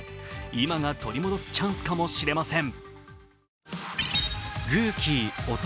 今が取り戻すチャンスかもしれません。